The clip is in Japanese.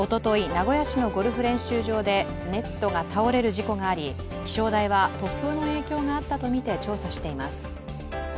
名古屋市のゴルフ練習場で、ネットが倒れる事故があり、気象台は突風の影響があったとみて調査しています。